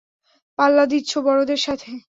পাল্লা দিচ্ছ বড়দের সাথে।